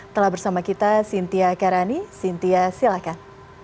telah bersama kita cynthia karani sintia silakan